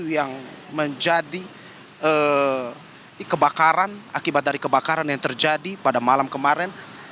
yang menjadi kebakaran akibat dari kebakaran yang terjadi pada malam kemarin